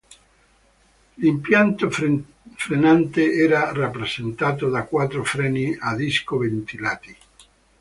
L'impianto frenante era rappresentato da quattro freni a disco ventilati.